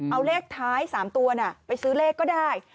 เอาเลขท้าย๓ตัวไปซื้อเลขก็ได้